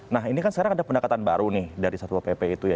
nah ini kan sekarang ada pendekatan baru nih dari satwa pp itu ya